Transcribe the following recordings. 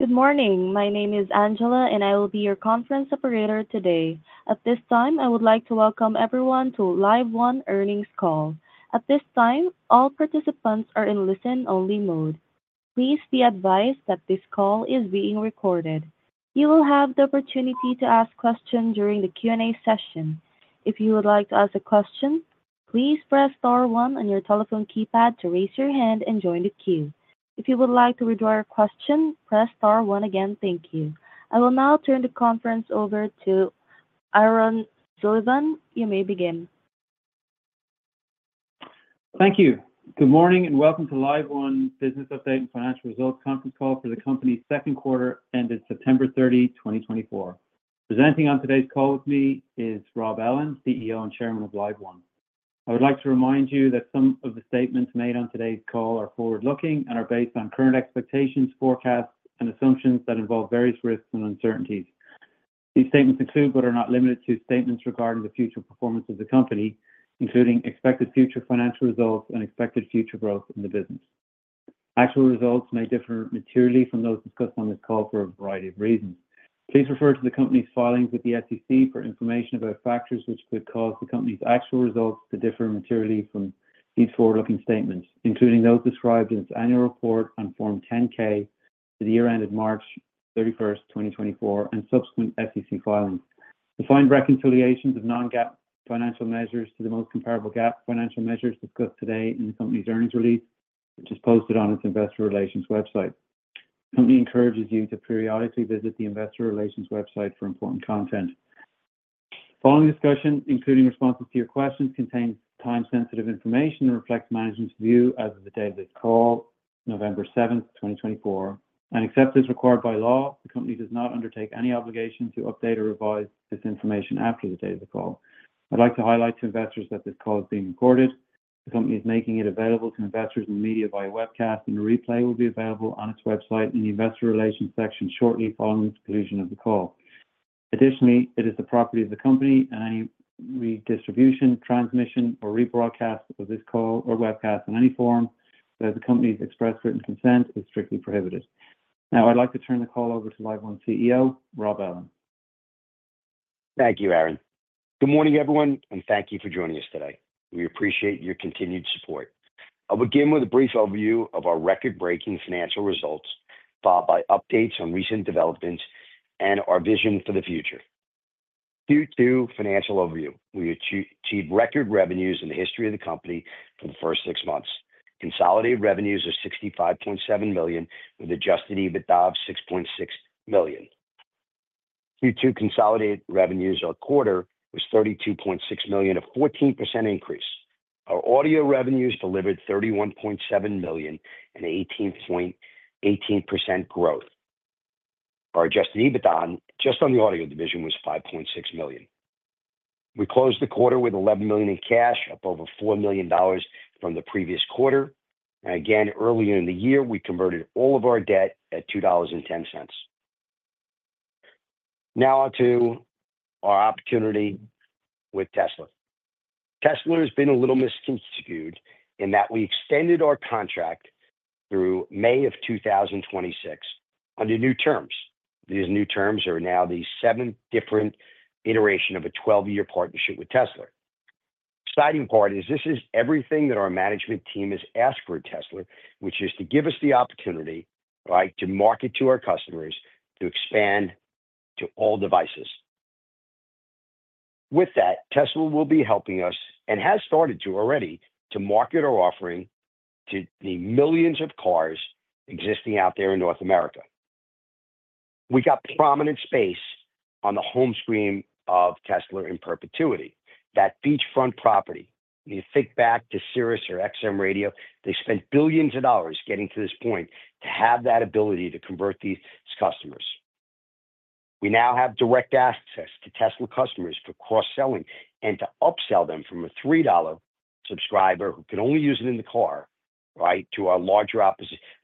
Good morning. My name is Angela, and I will be your conference operator today. At this time, I would like to welcome everyone to LiveOne Earnings Call. At this time, all participants are in listen-only mode. Please be advised that this call is being recorded. You will have the opportunity to ask questions during the Q&A session. If you would like to ask a question, please press star one on your telephone keypad to raise your hand and join the queue. If you would like to withdraw your question, press star one again. Thank you. I will now turn the conference over to Aaron Sullivan. You may begin. Thank you. Good morning and welcome to LiveOne Business Update and Financial Results Conference Call for the company's second quarter ended September 30, 2024. Presenting on today's call with me is Rob Ellin, CEO and Chairman of LiveOne. I would like to remind you that some of the statements made on today's call are forward-looking and are based on current expectations, forecasts, and assumptions that involve various risks and uncertainties. These statements include, but are not limited to, statements regarding the future performance of the company, including expected future financial results and expected future growth in the business. Actual results may differ materially from those discussed on this call for a variety of reasons. Please refer to the company's filings with the SEC for information about factors which could cause the company's actual results to differ materially from these forward-looking statements, including those described in its annual report on Form 10-K for the year ended March 31st, 2024, and subsequent SEC filings. Detailed reconciliations of non-GAAP financial measures to the most comparable GAAP financial measures discussed today in the company's earnings release, which is posted on its investor relations website. The company encourages you to periodically visit the investor relations website for important content. The following discussion, including responses to your questions, contains time-sensitive information and reflects management's view as of the date of this call, November 7th, 2024. Except as required by law, the company does not undertake any obligation to update or revise this information after the date of the call. I'd like to highlight to investors that this call is being recorded. The company is making it available to investors and media via webcast, and a replay will be available on its website in the investor relations section shortly following the conclusion of the call. Additionally, it is the property of the company, and any redistribution, transmission, or rebroadcast of this call or webcast in any form without the company's express written consent is strictly prohibited. Now, I'd like to turn the call over to LiveOne CEO, Rob Ellin. Thank you, Aaron. Good morning, everyone, and thank you for joining us today. We appreciate your continued support. I'll begin with a brief overview of our record-breaking financial results, followed by updates on recent developments and our vision for the future. Q2 financial overview: we achieved record revenues in the history of the company for the first six months. Consolidated revenues are $65.7 million, with adjusted EBITDA of $6.6 million. Q2 consolidated revenues our quarter was $32.6 million, a 14% increase. Our audio revenues delivered $31.7 million and 18.18% growth. Our adjusted EBITDA just on the audio division was $5.6 million. We closed the quarter with $11 million in cash, up over $4 million from the previous quarter. Again, earlier in the year, we converted all of our debt at $2.10. Now on to our opportunity with Tesla. Tesla has been a little misconstrued in that we extended our contract through May of 2026 under new terms. These new terms are now the seventh different iteration of a 12-year partnership with Tesla. The exciting part is this is everything that our management team has asked for at Tesla, which is to give us the opportunity, right, to market to our customers to expand to all devices. With that, Tesla will be helping us and has started to already to market our offering to the millions of cars existing out there in North America. We got prominent space on the home screen of Tesla in perpetuity, that beachfront property. You think back to SiriusXM Radio. They spent billions of dollars getting to this point to have that ability to convert these customers. We now have direct access to Tesla customers for cross-selling and to upsell them from a $3 subscriber who can only use it in the car, right, to our larger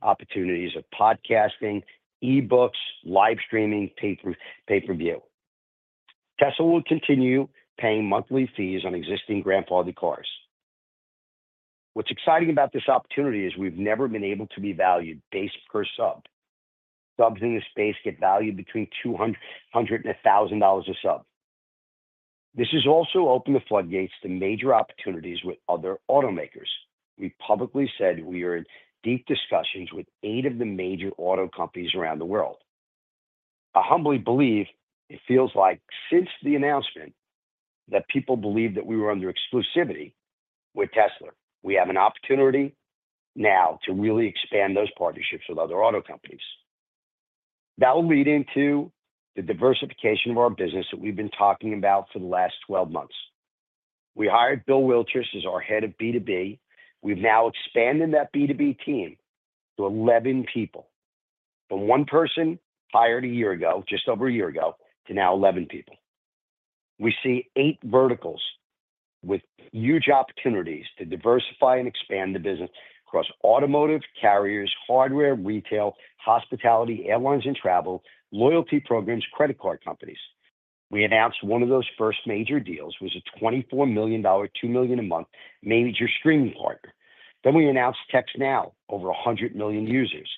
opportunities of podcasting, eBooks, live streaming, pay-per-view. Tesla will continue paying monthly fees on existing grandfather cars. What's exciting about this opportunity is we've never been able to be valued base per sub. Subs in this space get valued between $200-$1,000 a sub. This has also opened the floodgates to major opportunities with other automakers. We publicly said we are in deep discussions with eight of the major auto companies around the world. I humbly believe it feels like since the announcement that people believed that we were under exclusivity with Tesla, we have an opportunity now to really expand those partnerships with other auto companies. That will lead into the diversification of our business that we've been talking about for the last 12 months. We hired Bill Wilsher as our head of B2B. We've now expanded that B2B team to 11 people, from one person hired a year ago, just over a year ago, to now 11 people. We see eight verticals with huge opportunities to diversify and expand the business across automotive carriers, hardware, retail, hospitality, airlines and travel, loyalty programs, credit card companies. We announced one of those first major deals, a $24 million, $2 million a month major streaming partner. Then we announced TextNow, over 100 million users.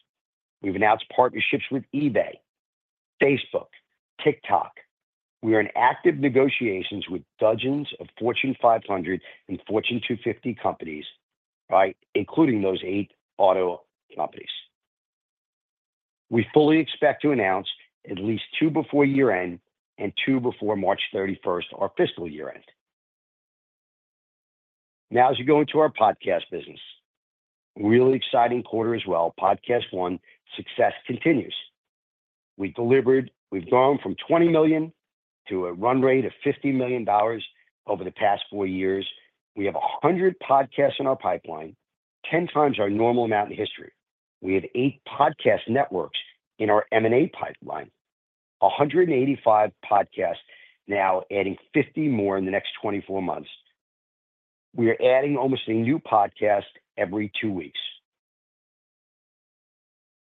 We've announced partnerships with eBay, Facebook, TikTok. We are in active negotiations with dozens of Fortune 500 and Fortune 250 companies, right, including those eight auto companies. We fully expect to announce at least two before year-end and two before March 31st, our fiscal year-end. Now, as we go into our podcast business, really exciting quarter as well. PodcastOne, success continues. We've delivered. We've grown from 20 million to a run rate of $50 million over the past four years. We have 100 podcasts in our pipeline, 10x our normal amount in history. We have eight podcast networks in our M&A pipeline, 185 podcasts now, adding 50 more in the next 24 months. We are adding almost a new podcast every two weeks.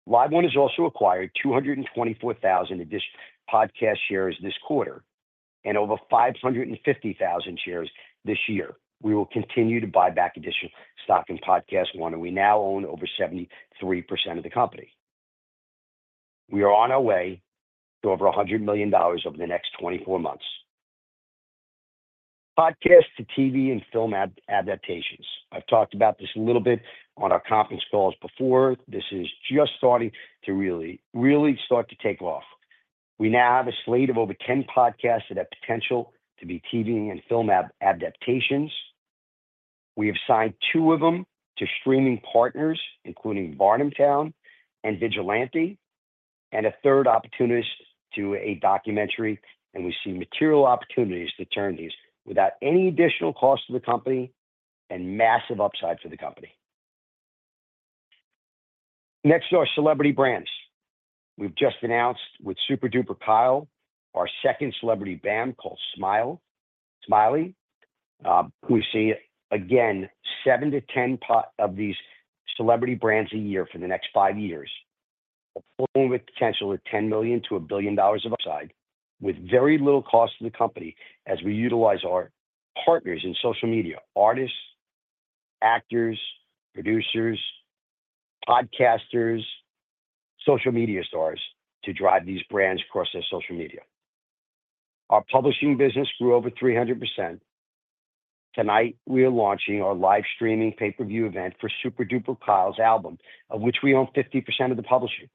LiveOne has also acquired 224,000 additional podcast shares this quarter and over 550,000 shares this year. We will continue to buy back additional stock in PodcastOne, and we now own over 73% of the company. We are on our way to over $100 million over the next 24 months. Podcast to TV and film adaptations. I've talked about this a little bit on our conference calls before. This is just starting to really, really start to take off. We now have a slate of over 10 podcasts that have potential to be TV and film adaptations. We have signed two of them to streaming partners, including Varnamtown and Vigilante, and a third, The Opportunist, to a documentary. And we see material opportunities to turn these without any additional cost to the company and massive upside for the company. Next are celebrity brands. We've just announced with SuperDuperKyle our second celebrity brand called Smiley. We see again seven to 10 of these celebrity brands a year for the next five years, with potential of $10 million-$1 billion of upside with very little cost to the company as we utilize our partners in social media: artists, actors, producers, podcasters, social media stars to drive these brands across their social media. Our publishing business grew over 300%. Tonight, we are launching our live streaming pay-per-view event for SuperDuperKyle's album, of which we own 50% of the publishing.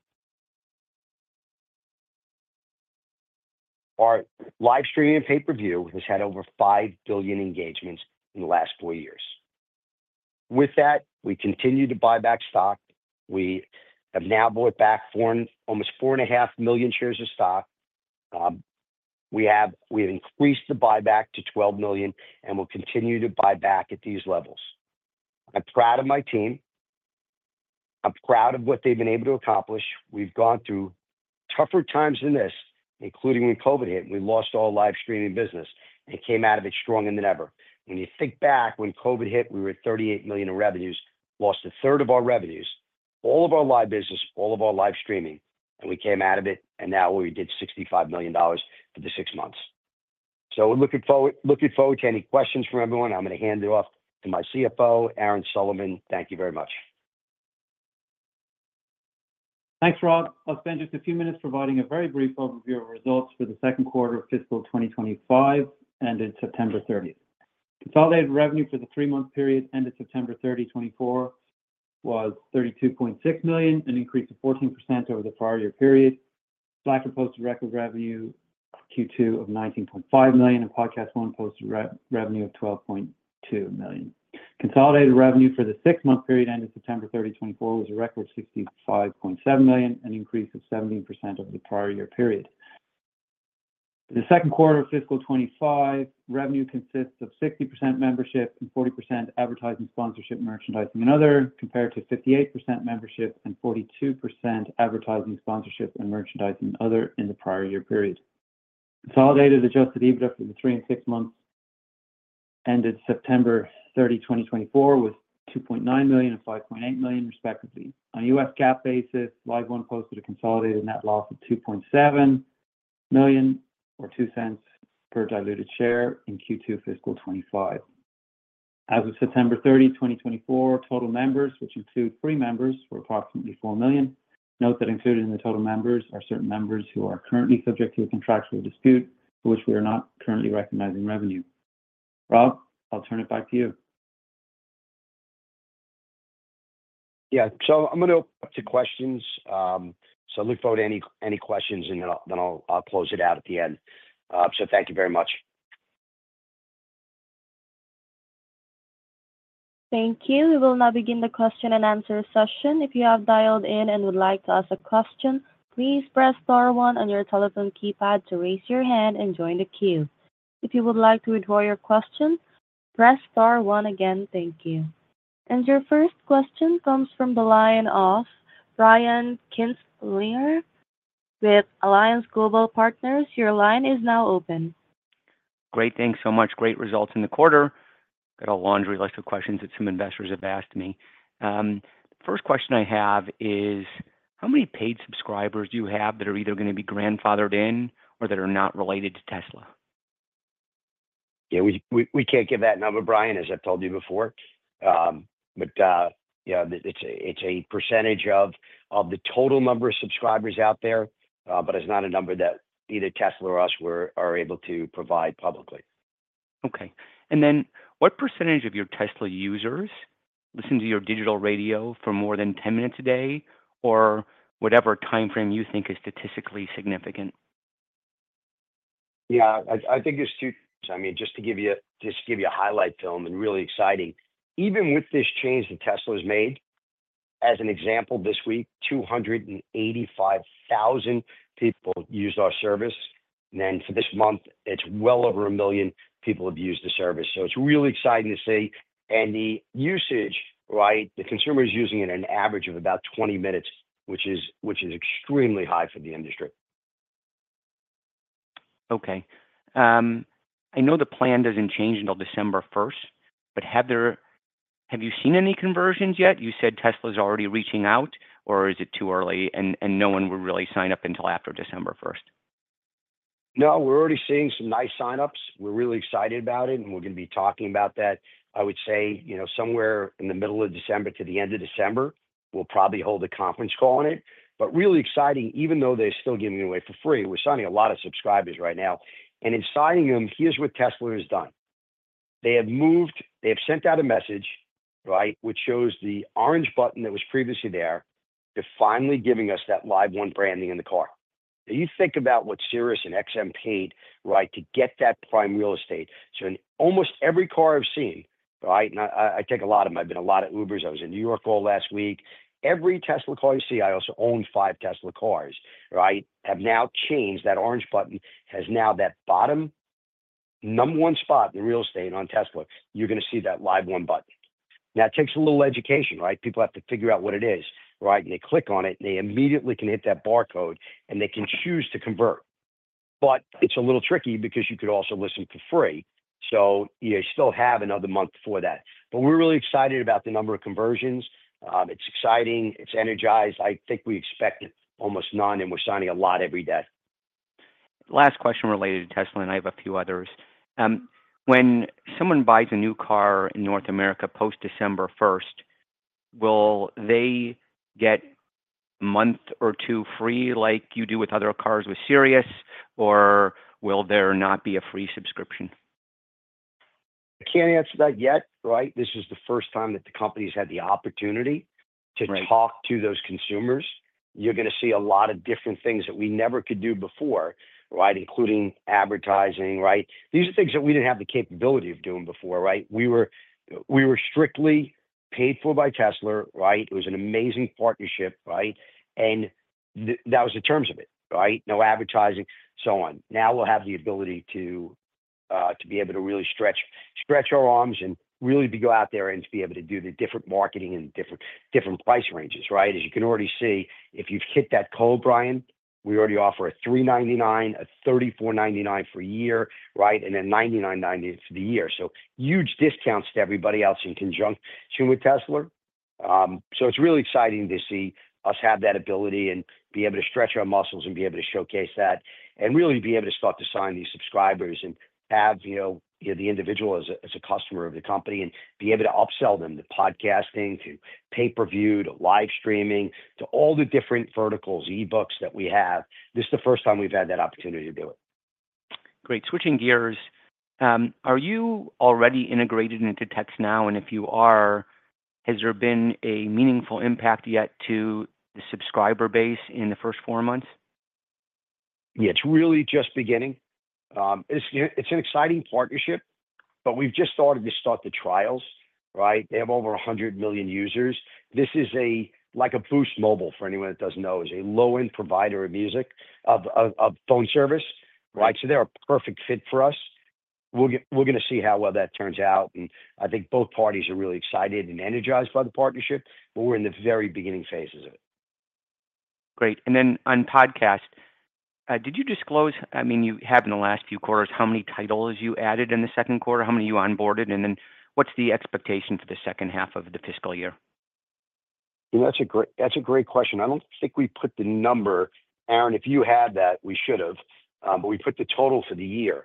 Our live streaming pay-per-view has had over 5 billion engagements in the last four years. With that, we continue to buy back stock. We have now bought back almost 4.5 million shares of stock. We have increased the buyback to 12 million and will continue to buy back at these levels. I'm proud of my team. I'm proud of what they've been able to accomplish. We've gone through tougher times than this, including when COVID hit. We lost all live streaming business and came out of it stronger than ever. When you think back, when COVID hit, we were at $38 million in revenues, lost a third of our revenues, all of our live business, all of our live streaming, and we came out of it, and now we did $65 million for the six months. So looking forward to any questions from everyone. I'm going to hand it off to my CFO, Aaron Sullivan. Thank you very much. Thanks, Rob. I'll spend just a few minutes providing a very brief overview of results for the second quarter of fiscal 2025 ended September 30th. Consolidated revenue for the three-month period ended September 30, 2024, was $32.6 million, an increase of 14% over the prior year period. Slacker's record revenue Q2 of $19.5 million and Podcast One posted revenue of $12.2 million. Consolidated revenue for the six-month period ended September 30, 2024, was a record of $65.7 million, an increase of 17% over the prior year period. The second quarter of fiscal '25 revenue consists of 60% membership and 40% advertising sponsorship, merchandising, and other, compared to 58% membership and 42% advertising sponsorship and merchandising, and other in the prior year period. Consolidated Adjusted EBITDA for the three and six months ended September 30, 2024, was $2.9 million and $5.8 million, respectively. On a GAAP basis, LiveOne posted a consolidated net loss of $2.7 million or $0.02 per diluted share in Q2 fiscal 2025. As of September 30, 2024, total members, which include free members, were approximately 4 million. Note that included in the total members are certain members who are currently subject to a contractual dispute for which we are not currently recognizing revenue. Rob, I'll turn it back to you. Yeah. So I'm going to open up to questions. So look forward to any questions, and then I'll close it out at the end. So thank you very much. Thank you. We will now begin the question and answer session. If you have dialed in and would like to ask a question, please press star one on your telephone keypad to raise your hand and join the queue. If you would like to withdraw your question, press star one again. Thank you. And your first question comes from the line of Brian Kinstlinger with Alliance Global Partners. Your line is now open. Great. Thanks so much. Great results in the quarter. Got a laundry list of questions that some investors have asked me. First question I have is, how many paid subscribers do you have that are either going to be grandfathered in or that are not related to Tesla? Yeah. We can't give that number, Brian, as I've told you before. But yeah, it's a percentage of the total number of subscribers out there, but it's not a number that either Tesla or us are able to provide publicly. Okay. And then what percentage of your Tesla users listen to your digital radio for more than 10 minutes a day or whatever time frame you think is statistically significant? Yeah. I think it's two. I mean, just to give you a highlight film and really exciting, even with this change that Tesla has made, as an example this week, 285,000 people used our service. And then for this month, it's well over a million people have used the service. So it's really exciting to see. And the usage, right, the consumer is using it on average of about 20 minutes, which is extremely high for the industry. Okay. I know the plan doesn't change until December 1st, but have you seen any conversions yet? You said Tesla is already reaching out, or is it too early and no one will really sign up until after December 1st? No, we're already seeing some nice signups. We're really excited about it, and we're going to be talking about that. I would say somewhere in the middle of December to the end of December, we'll probably hold a conference call on it. But really exciting, even though they're still giving away for free, we're signing a lot of subscribers right now. And in signing them, here's what Tesla has done. They have moved, they have sent out a message, right, which shows the orange button that was previously there to finally giving us that LiveOne branding in the car. Now, you think about what Sirius and XM paid, right, to get that prime real estate. So in almost every car I've seen, right, and I take a lot of them. I've been a lot of Ubers. I was in New York all last week. Every Tesla car you see, I also own five Tesla cars, right, have now changed. That orange button has now that bottom number one spot in real estate on Tesla. You're going to see that LiveOne button. Now, it takes a little education, right? People have to figure out what it is, right? And they click on it, and they immediately can hit that barcode, and they can choose to convert. But it's a little tricky because you could also listen for free. So you still have another month for that. But we're really excited about the number of conversions. It's exciting. It's energized. I think we expect almost none, and we're signing a lot every day. Last question related to Tesla, and I have a few others. When someone buys a new car in North America post-December 1st, will they get a month or two free like you do with other cars with Sirius, or will there not be a free subscription? I can't answer that yet, right? This is the first time that the company's had the opportunity to talk to those consumers. You're going to see a lot of different things that we never could do before, right, including advertising, right? These are things that we didn't have the capability of doing before, right? We were strictly paid for by Tesla, right? It was an amazing partnership, right? And that was the terms of it, right? No advertising, so on. Now we'll have the ability to be able to really stretch our arms and really go out there and be able to do the different marketing and different price ranges, right? As you can already see, if you've hit that code, Brian, we already offer a $3.99, a $34.99 for a year, right, and then $99.90 for the year. So huge discounts to everybody else in conjunction with Tesla. So it's really exciting to see us have that ability and be able to stretch our muscles and be able to showcase that and really be able to start to sign these subscribers and have the individual as a customer of the company and be able to upsell them to podcasting, to pay-per-view, to live streaming, to all the different verticals, eBooks that we have. This is the first time we've had that opportunity to do it. Great. Switching gears, are you already integrated into TextNow? And if you are, has there been a meaningful impact yet to the subscriber base in the first four months? Yeah. It's really just beginning. It's an exciting partnership, but we've just started to start the trials, right? They have over 100 million users. This is like a Boost Mobile, for anyone that doesn't know, is a low-end provider of music, of phone service, right? So they're a perfect fit for us. We're going to see how well that turns out. And I think both parties are really excited and energized by the partnership, but we're in the very beginning phases of it. Great. And then on podcast, did you disclose, I mean, you have in the last few quarters, how many titles you added in the second quarter, how many you onboarded, and then what's the expectation for the second half of the fiscal year? That's a great question. I don't think we put the number. Aaron, if you had that, we should have. But we put the total for the year.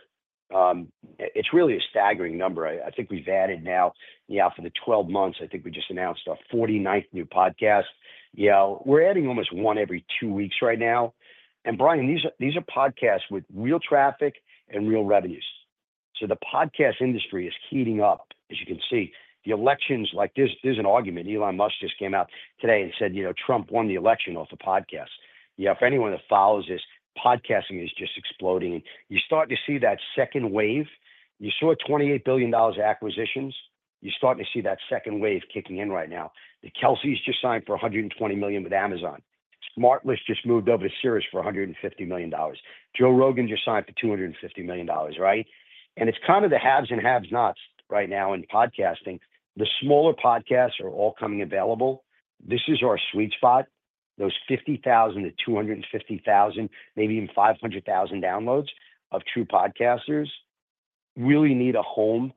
It's really a staggering number. I think we've added now, yeah, for the 12 months, I think we just announced our 49th new podcast. Yeah. We're adding almost one every two weeks right now. And Brian, these are podcasts with real traffic and real revenues. So the podcast industry is heating up, as you can see. The elections, like there's an argument. Elon Musk just came out today and said, "Trump won the election off the podcast." Yeah. For anyone that follows this, podcasting is just exploding. You're starting to see that second wave. You saw $28 billion acquisitions. You're starting to see that second wave kicking in right now. The Kelce's just signed for $120 million with Amazon. SmartLess just moved over to Sirius for $150 million. Joe Rogan just signed for $250 million, right, and it's kind of the haves and have-nots right now in podcasting. The smaller podcasts are all coming available. This is our sweet spot. Those 50,000-250,000, maybe even 500,000 downloads of true podcasters really need a home,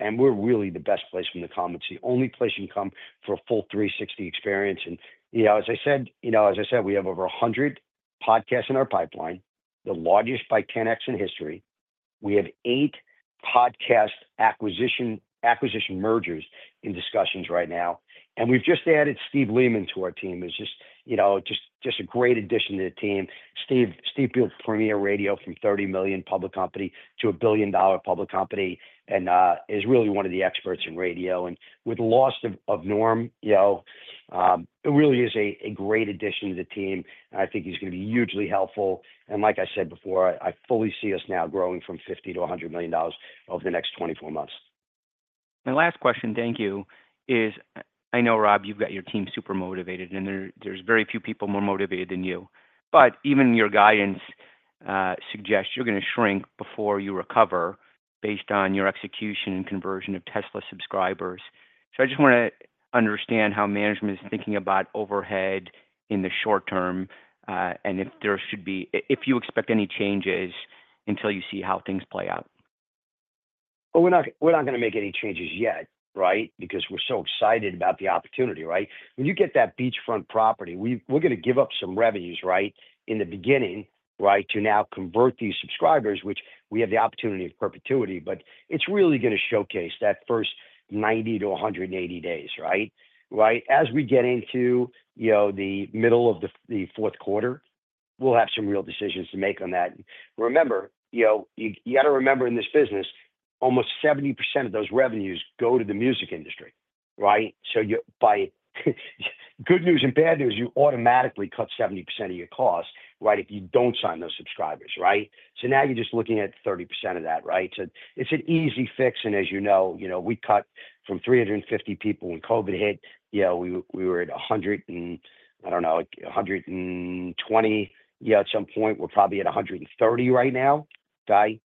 and we're really the best place from the commons. The only place you can come for a full 360 experience, and as I said, as I said, we have over 100 podcasts in our pipeline, the largest by 10X in history. We have eight podcast acquisition mergers in discussions right now, and we've just added Steve Lehman to our team. It's just a great addition to the team. Steve built Premiere Radio from a $30 million public company to a billion-dollar public company and is really one of the experts in radio. With the loss of Norm, it really is a great addition to the team. I think he's going to be hugely helpful. Like I said before, I fully see us now growing from $50 million to $100 million over the next 24 months. My last question, thank you, is I know, Rob, you've got your team super motivated, and there's very few people more motivated than you. But even your guidance suggests you're going to shrink before you recover based on your execution and conversion of Tesla subscribers. So I just want to understand how management is thinking about overhead in the short term and if there should be, if you expect any changes until you see how things play out. We're not going to make any changes yet, right, because we're so excited about the opportunity, right? When you get that beachfront property, we're going to give up some revenues, right, in the beginning, right, to now convert these subscribers, which we have the opportunity of perpetuity. But it's really going to showcase that first 90 to 180 days, right? Right? As we get into the middle of the fourth quarter, we'll have some real decisions to make on that. Remember, you got to remember in this business, almost 70% of those revenues go to the music industry, right? So by good news and bad news, you automatically cut 70% of your cost, right, if you don't sign those subscribers, right? So now you're just looking at 30% of that, right? So it's an easy fix. And as you know, we cut from 350 people when COVID hit. We were at 100 and I don't know, 120 at some point. We're probably at 130 right now, right?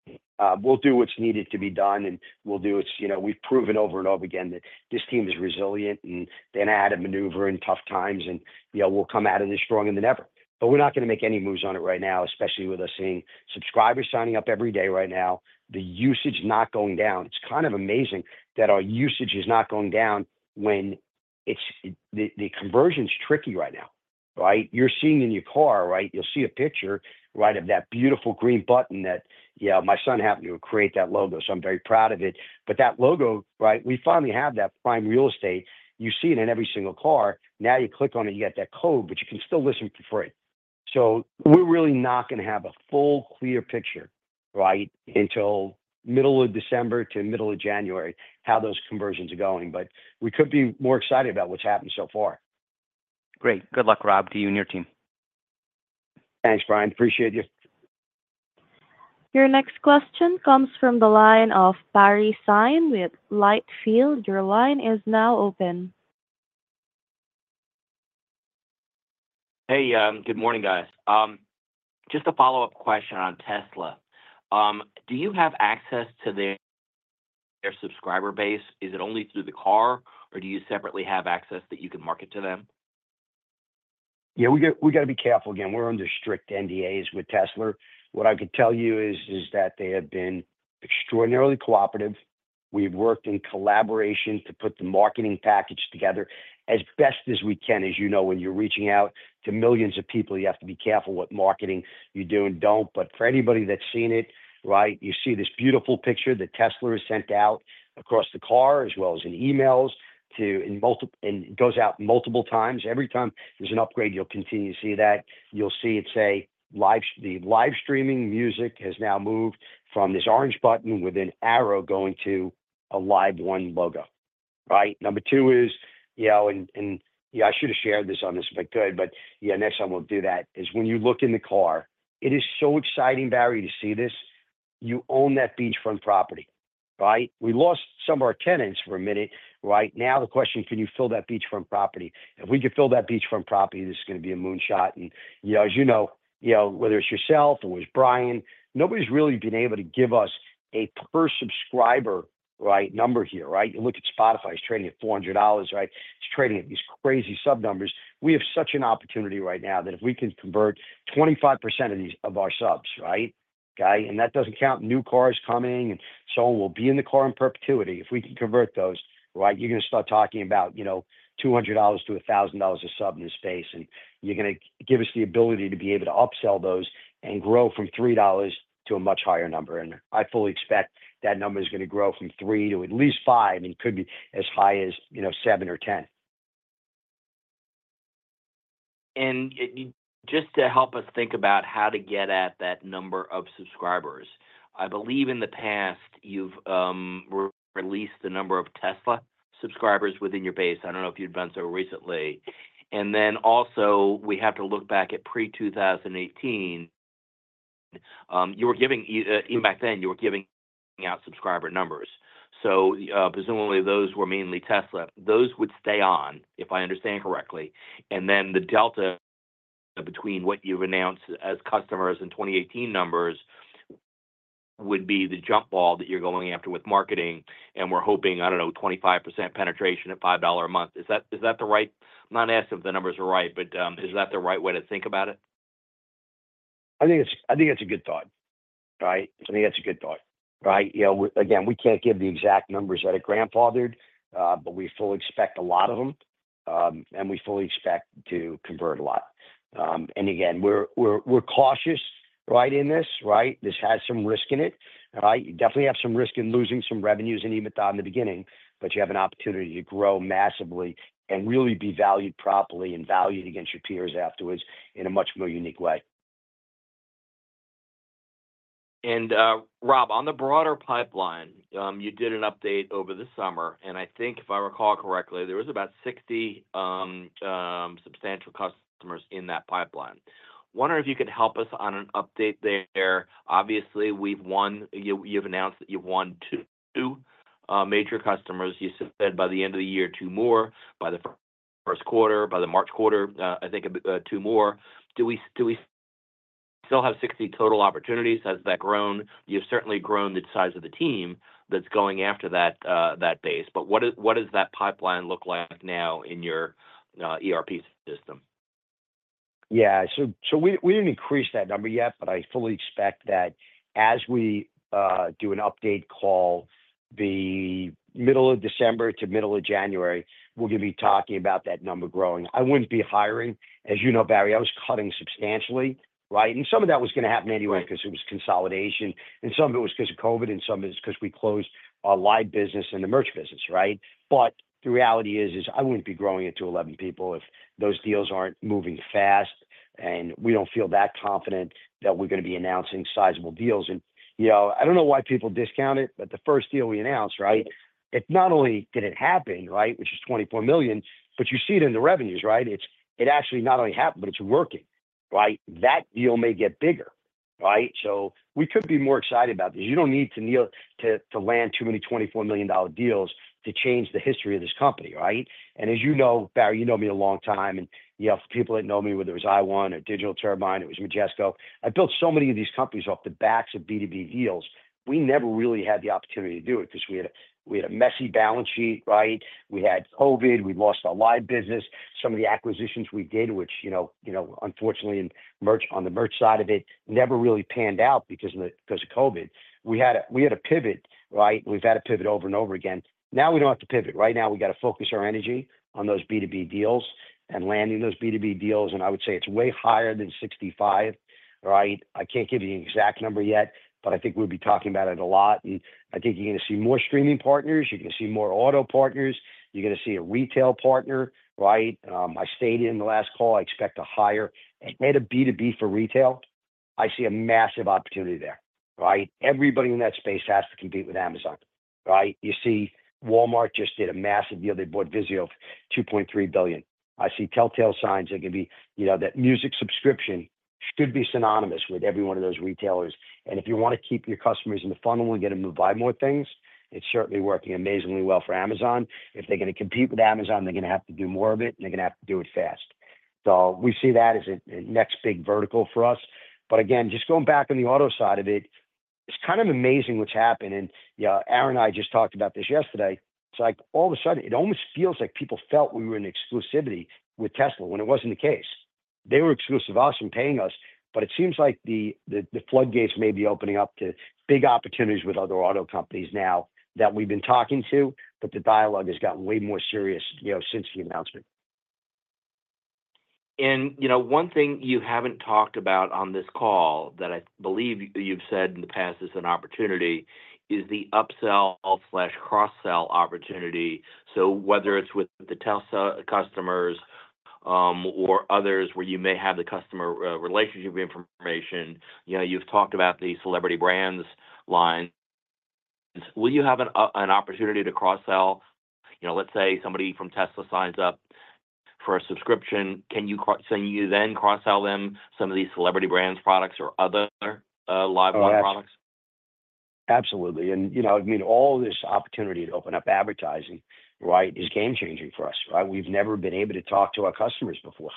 We'll do what's needed to be done, and we'll do what we've proven over and over again that this team is resilient and they're going to add a maneuver in tough times, and we'll come out of this stronger than ever. But we're not going to make any moves on it right now, especially with us seeing subscribers signing up every day right now. The usage is not going down. It's kind of amazing that our usage is not going down when the conversion is tricky right now, right? You're seeing in your car, right? You'll see a picture, right, of that beautiful green button that my son happened to create that logo, so I'm very proud of it. But that logo, right? We finally have that prime real estate. You see it in every single car. Now you click on it, you get that code, but you can still listen for free. So we're really not going to have a full clear picture, right, until middle of December to middle of January how those conversions are going. But we could be more excited about what's happened so far. Great. Good luck, Rob, to you and your team. Thanks, Brian. Appreciate you. Your next question comes from the line of Barry Sine with Litchfield Hills Research. Your line is now open. Hey, good morning, guys. Just a follow-up question on Tesla. Do you have access to their subscriber base? Is it only through the car, or do you separately have access that you can market to them? Yeah. We got to be careful again. We're under strict NDAs with Tesla. What I could tell you is that they have been extraordinarily cooperative. We've worked in collaboration to put the marketing package together as best as we can. As you know, when you're reaching out to millions of people, you have to be careful what marketing you do and don't. But for anybody that's seen it, right, you see this beautiful picture that Tesla has sent out across the car as well as in emails, and it goes out multiple times. Every time there's an upgrade, you'll continue to see that. You'll see it say the live streaming music has now moved from this orange button with an arrow going to a LiveOne logo, right? Number two is, and I should have shared this on this, but good. But yeah, next time we'll do that is when you look in the car. It is so exciting, Barry, to see this. You own that beachfront property, right? We lost some of our tenants for a minute, right? Now the question, can you fill that beachfront property? If we could fill that beachfront property, this is going to be a moonshot. And as you know, whether it's yourself or it was Brian, nobody's really been able to give us a per subscriber, right, number here, right? You look at Spotify, it's trading at $400, right? It's trading at these crazy sub numbers. We have such an opportunity right now that if we can convert 25% of our subs, right, okay? And that doesn't count new cars coming and so on. We'll be in the car in perpetuity. If we can convert those, right, you're going to start talking about $200-$1,000 a sub in this space, and you're going to give us the ability to be able to upsell those and grow from $3 to a much higher number, and I fully expect that number is going to grow from three to at least five and could be as high as seven or 10. Just to help us think about how to get at that number of subscribers, I believe in the past you've released the number of Tesla subscribers within your base. I don't know if you've done so recently. And then also we have to look back at pre-2018. You were giving even back then, you were giving out subscriber numbers. So presumably those were mainly Tesla. Those would stay on, if I understand correctly. And then the delta between what you've announced as customers and 2018 numbers would be the jump ball that you're going after with marketing. And we're hoping, I don't know, 25% penetration at $5 a month. Is that the right? I'm not asking if the numbers are right, but is that the right way to think about it? I think it's a good thought, right? I think that's a good thought, right? Again, we can't give the exact numbers that are grandfathered, but we fully expect a lot of them, and we fully expect to convert a lot. And again, we're cautious, right, in this, right? This has some risk in it, right? You definitely have some risk in losing some revenues and even though in the beginning, but you have an opportunity to grow massively and really be valued properly and valued against your peers afterwards in a much more unique way. Rob, on the broader pipeline, you did an update over the summer. I think, if I recall correctly, there was about 60 substantial customers in that pipeline. Wonder if you could help us on an update there. Obviously, you've announced that you've won two major customers. You said by the end of the year, two more, by the first quarter, by the March quarter, I think two more. Do we still have 60 total opportunities? Has that grown? You've certainly grown the size of the team that's going after that base. What does that pipeline look like now in your ERP system? Yeah. So we didn't increase that number yet, but I fully expect that as we do an update call, the middle of December to middle of January, we're going to be talking about that number growing. I wouldn't be hiring. As you know, Barry, I was cutting substantially, right? And some of that was going to happen anyway because it was consolidation. And some of it was because of COVID, and some of it is because we closed our live business and the merch business, right? But the reality is, I wouldn't be growing it to 11 people if those deals aren't moving fast, and we don't feel that confident that we're going to be announcing sizable deals. I don't know why people discount it, but the first deal we announced, right? It not only did it happen, right, which is $24 million, but you see it in the revenues, right? It actually not only happened, but it's working, right? That deal may get bigger, right? So we could be more excited about this. You don't need to land too many $24 million deals to change the history of this company, right? And as you know, Barry, you know me a long time. And for people that know me, whether it was LiveOne or Digital Turbine, it was Majesco. I built so many of these companies off the backs of B2B deals. We never really had the opportunity to do it because we had a messy balance sheet, right? We had COVID. We lost our live business. Some of the acquisitions we did, which unfortunately on the merch side of it, never really panned out because of COVID. We had a pivot, right? We've had a pivot over and over again. Now we don't have to pivot. Right now, we got to focus our energy on those B2B deals and landing those B2B deals. And I would say it's way higher than 65, right? I can't give you the exact number yet, but I think we'll be talking about it a lot. And I think you're going to see more streaming partners. You're going to see more auto partners. You're going to see a retail partner, right? I stated in the last call, I expect to hire a head of B2B for retail. I see a massive opportunity there, right? Everybody in that space has to compete with Amazon, right? You see Walmart just did a massive deal. They bought Vizio for $2.3 billion. I see telltale signs. It can be that music subscription should be synonymous with every one of those retailers. And if you want to keep your customers in the funnel and get them to buy more things, it's certainly working amazingly well for Amazon. If they're going to compete with Amazon, they're going to have to do more of it, and they're going to have to do it fast. So we see that as a next big vertical for us. But again, just going back on the auto side of it, it's kind of amazing what's happened. And Aaron and I just talked about this yesterday. It's like all of a sudden, it almost feels like people felt we were in exclusivity with Tesla, when it wasn't the case. They were exclusive of us and paying us. But it seems like the floodgates may be opening up to big opportunities with other auto companies now that we've been talking to, but the dialogue has gotten way more serious since the announcement. One thing you haven't talked about on this call that I believe you've said in the past is an opportunity is the upsell/cross-sell opportunity. So whether it's with the Tesla customers or others where you may have the customer relationship information, you've talked about the celebrity brands line. Will you have an opportunity to cross-sell? Let's say somebody from Tesla signs up for a subscription. Can you then cross-sell them some of these celebrity brands products or other live products? Absolutely. And I mean, all this opportunity to open up advertising, right, is game-changing for us, right? We've never been able to talk to our customers before,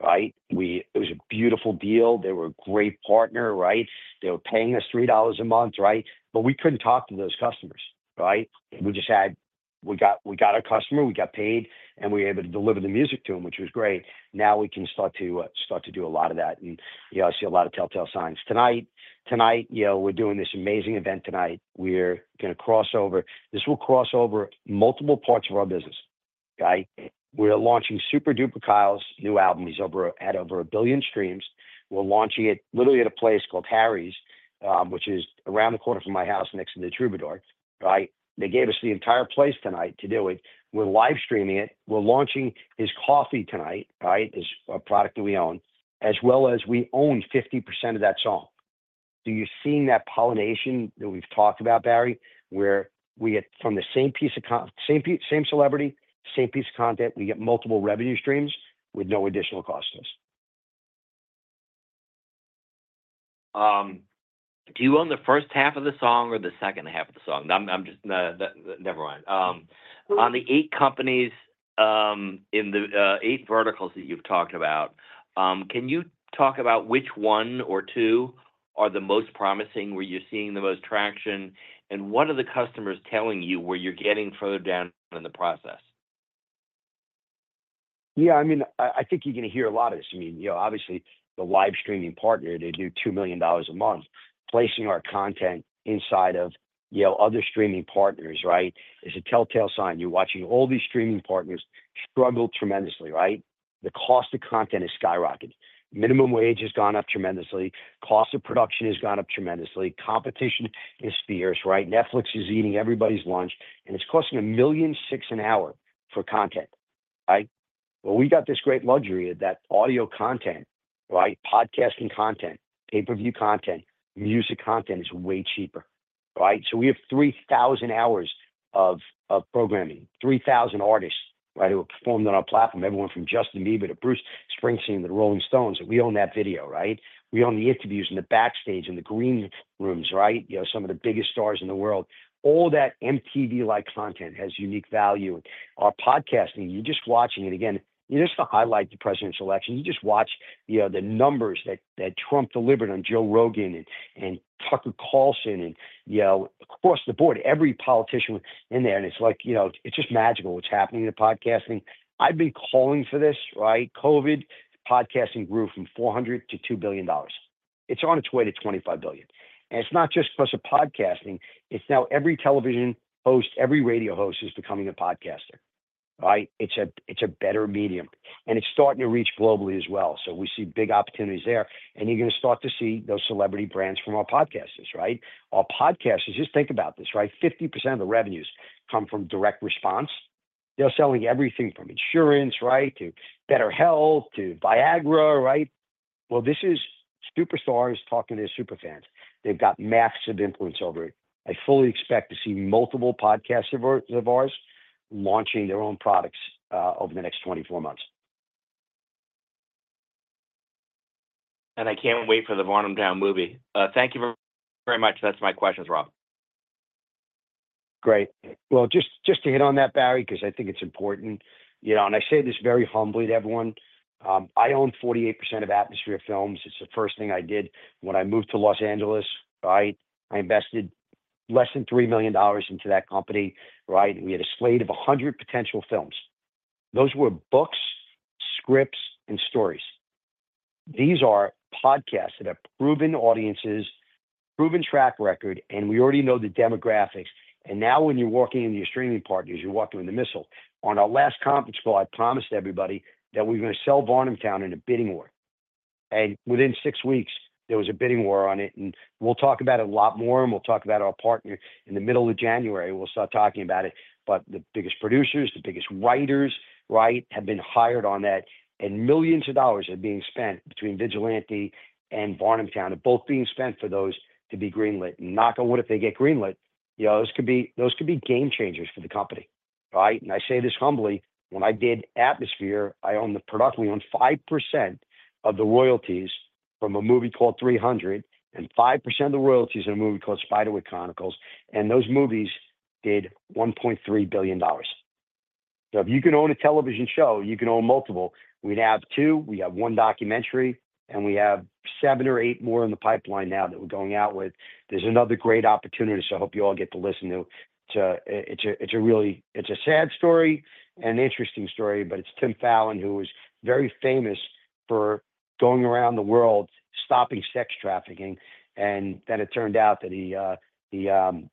right? It was a beautiful deal. They were a great partner, right? They were paying us $3 a month, right? But we couldn't talk to those customers, right? We just got a customer. We got paid, and we were able to deliver the music to them, which was great. Now we can start to do a lot of that. And I see a lot of telltale signs. Tonight, we're doing this amazing event tonight. We're going to cross over. This will cross over multiple parts of our business, okay? We're launching SuperDuperKyle's new album. He's had over a billion streams. We're launching it literally at a place called Harry's, which is around the corner from my house next to the Troubadour, right? They gave us the entire place tonight to do it. We're live streaming it. We're launching his coffee tonight, right, is a product that we own, as well as we own 50% of that song. So you're seeing that pollination that we've talked about, Barry, where we get from the same piece of same celebrity, same piece of content, we get multiple revenue streams with no additional cost to us. Do you own the first half of the song or the second half of the song? Never mind. On the eight companies in the eight verticals that you've talked about, can you talk about which one or two are the most promising, where you're seeing the most traction, and what are the customers telling you where you're getting further down in the process? Yeah. I mean, I think you're going to hear a lot of this. I mean, obviously, the live streaming partner, they do $2 million a month, placing our content inside of other streaming partners, right? It's a telltale sign. You're watching all these streaming partners struggle tremendously, right? The cost of content has skyrocketed. Minimum wage has gone up tremendously. Cost of production has gone up tremendously. Competition is fierce, right? Netflix is eating everybody's lunch, and it's costing $1.6 million an hour for content, right? Well, we got this great luxury that audio content, right, podcasting content, pay-per-view content, music content is way cheaper, right? So we have 3,000 hours of programming, 3,000 artists, right, who have performed on our platform, everyone from Justin Bieber to Bruce Springsteen to the Rolling Stones. We own that video, right? We own the interviews and the backstage and the green rooms, right? Some of the biggest stars in the world. All that MTV-like content has unique value. Our podcasting, you're just watching it. Again, just to highlight the presidential election, you just watch the numbers that Trump delivered on Joe Rogan and Tucker Carlson and across the board, every politician in there, and it's like it's just magical what's happening in the podcasting. I've been calling for this, right? COVID, podcasting grew from $400-$2 billion. It's on its way to $25 billion, and it's not just because of podcasting. It's now every television host, every radio host is becoming a podcaster, right? It's a better medium, and it's starting to reach globally as well. So we see big opportunities there, and you're going to start to see those celebrity brands from our podcasters, right? Our podcasters, just think about this, right? 50% of the revenues come from direct response. They're selling everything from insurance, right, to BetterHelp, to Viagra, right? Well, this is superstars talking to their superfans. They've got massive influence over it. I fully expect to see multiple podcasters of ours launching their own products over the next 24 months. I can't wait for the Varnamtown movie. Thank you very much. That's my questions, Rob. Great. Well, just to hit on that, Barry, because I think it's important. And I say this very humbly to everyone. I own 48% of Atmosphere Entertainment. It's the first thing I did when I moved to Los Angeles, right? I invested less than $3 million into that company, right? We had a slate of 100 potential films. Those were books, scripts, and stories. These are podcasts that have proven audiences, proven track record, and we already know the demographics. And now when you're walking into your streaming partners, you're walking with a missile. On our last conference call, I promised everybody that we were going to sell Varnamtown in a bidding war. And within six weeks, there was a bidding war on it. And we'll talk about it a lot more, and we'll talk about our partner in the middle of January. We'll start talking about it. But the biggest producers, the biggest writers, right, have been hired on that. And millions of dollars are being spent between Vigilante and Varnamtown. They're both being spent for those to be greenlit. Knock on wood if they get greenlit. Those could be game changers for the company, right? And I say this humbly. When I did Atmosphere, I owned the product. We owned 5% of the royalties from a movie called 300 and 5% of the royalties in a movie called Spiderwick Chronicles. And those movies did $1.3 billion. So if you can own a television show, you can own multiple. We'd have two. We have one documentary, and we have seven or eight more in the pipeline now that we're going out with. There's another great opportunity, so I hope you all get to listen to it. It's a sad story and an interesting story, but it's Tim Ballard, who was very famous for going around the world stopping sex trafficking. And then it turned out that the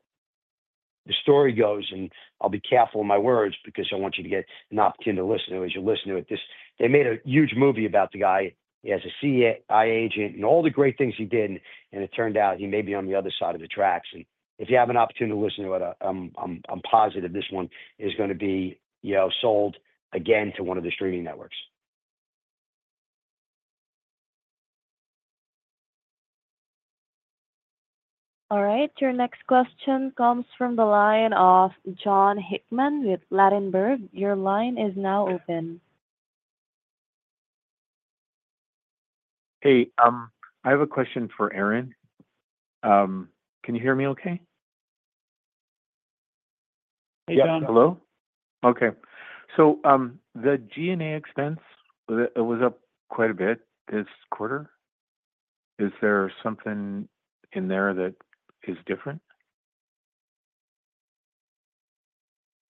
story goes, and I'll be careful with my words because I want you to get an opportunity to listen to it as you listen to it. They made a huge movie about the guy. He has a CIA agent and all the great things he did. And it turned out he may be on the other side of the tracks. And if you have an opportunity to listen to it, I'm positive this one is going to be sold again to one of the streaming networks. All right. Your next question comes from the line of Jon Hickman with Ladenburg. Your line is now open. Hey, I have a question for Aaron. Can you hear me okay? Hey, John. Okay, so the G&A expense, it was up quite a bit this quarter. Is there something in there that is different?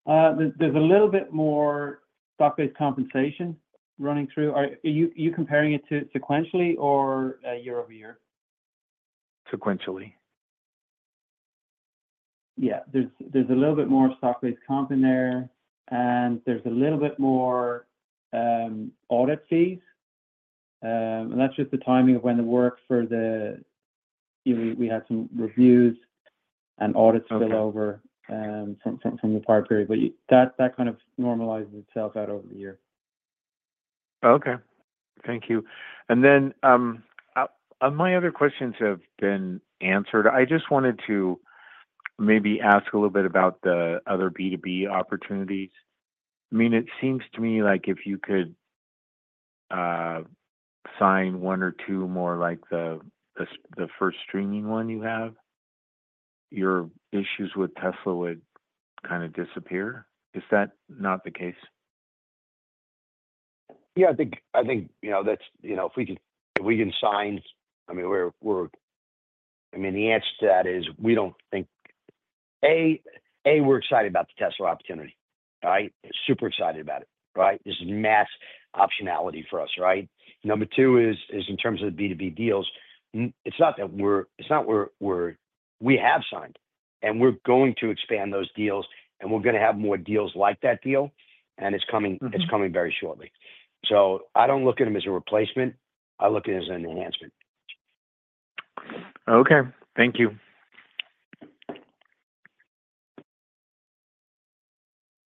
There's a little bit more stock-based compensation running through. Are you comparing it sequentially or year over year? Sequentially. Yeah. There's a little bit more stock-based comp in there, and there's a little bit more audit fees. And that's just the timing of when the work we had some reviews and audits spill over from the prior period. But that kind of normalizes itself out over the year. Okay. Thank you, and then my other questions have been answered. I just wanted to maybe ask a little bit about the other B2B opportunities. I mean, it seems to me like if you could sign one or two more like the first streaming one you have, your issues with Tesla would kind of disappear. Is that not the case? Yeah. I think if we can sign, I mean, we're. I mean, the answer to that is we don't think A, we're excited about the Tesla opportunity, right? Super excited about it, right? This is massive optionality for us, right? Number two is in terms of the B2B deals, it's not that we have signed, and we're going to expand those deals, and we're going to have more deals like that deal, and it's coming very shortly. So I don't look at them as a replacement. I look at it as an enhancement. Okay. Thank you.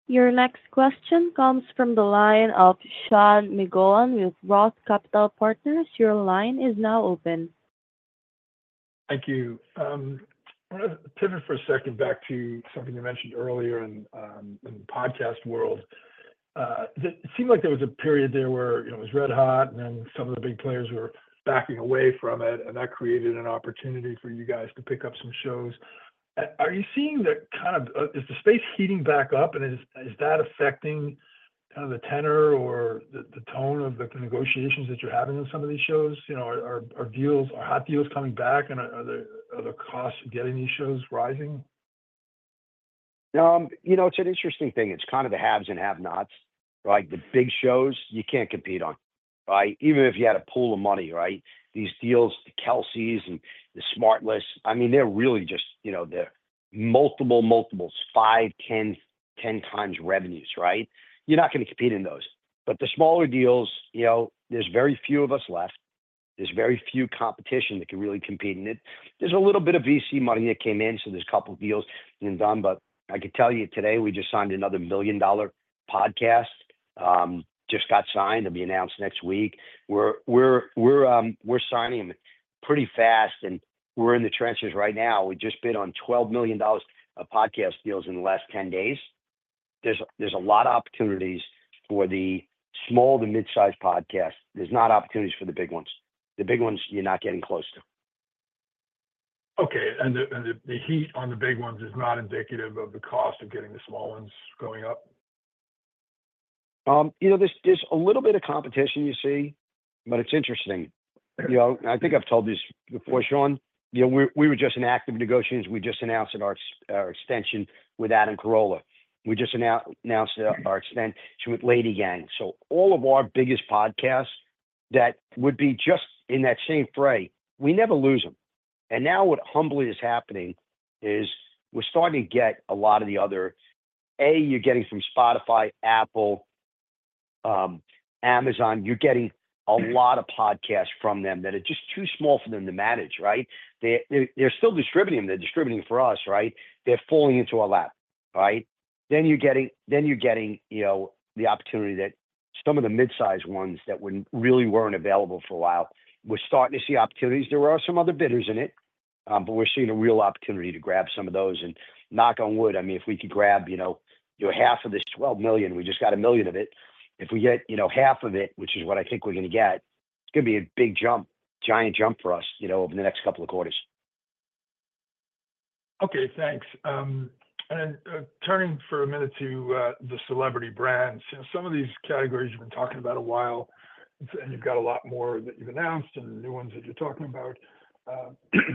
Your next question comes from the line of Sean McGowan with Roth Capital Partners. Your line is now open. Thank you. I want to pivot for a second back to something you mentioned earlier in the podcast world. It seemed like there was a period there where it was red hot, and then some of the big players were backing away from it, and that created an opportunity for you guys to pick up some shows. Are you seeing that kind of is the space heating back up, and is that affecting kind of the tenor or the tone of the negotiations that you're having on some of these shows? Are hot deals coming back, and are the costs of getting these shows rising? It's an interesting thing. It's kind of the haves and have-nots, right? The big shows, you can't compete on, right? Even if you had a pool of money, right? These deals, the Kelce's and SmartLess, I mean, they're really just they're multiple, multiple, five, 10x revenues, right? You're not going to compete in those. But the smaller deals, there's very few of us left. There's very few competition that can really compete in it. There's a little bit of VC money that came in, so there's a couple of deals being done. But I could tell you today we just signed another million-dollar podcast. Just got signed. It'll be announced next week. We're signing them pretty fast, and we're in the trenches right now. We've just bid on $12 million of podcast deals in the last 10 days. There's a lot of opportunities for the small to mid-size podcasts. There's not opportunities for the big ones. The big ones, you're not getting close to. Okay. And the heat on the big ones is not indicative of the cost of getting the small ones going up? There's a little bit of competition you see, but it's interesting. I think I've told this before, Sean. We were just in active negotiations. We just announced our extension with Adam Carolla. We just announced our extension with LadyGang. So all of our biggest podcasts that would be just in that same fray, we never lose them, and now what humbly is happening is we're starting to get a lot of the other A, you're getting from Spotify, Apple, Amazon. You're getting a lot of podcasts from them that are just too small for them to manage, right? They're still distributing them. They're distributing for us, right? They're falling into our lap, right? Then you're getting the opportunity that some of the mid-size ones that really weren't available for a while. We're starting to see opportunities. There are some other bidders in it, but we're seeing a real opportunity to grab some of those. And knock on wood, I mean, if we could grab half of this 12 million, we just got 1 million of it. If we get half of it, which is what I think we're going to get, it's going to be a big jump, giant jump for us over the next couple of quarters. Okay. Thanks. And turning for a minute to the celebrity brands. Some of these categories you've been talking about a while, and you've got a lot more that you've announced and new ones that you're talking about.